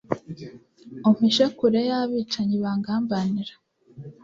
umpishe kure y’abicanyi bangambanira